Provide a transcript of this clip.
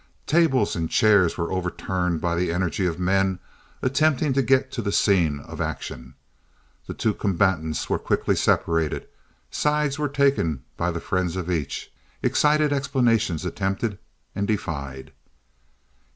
Tables and chairs were overturned by the energy of men attempting to get to the scene of action. The two combatants were quickly separated; sides were taken by the friends of each, excited explanations attempted and defied.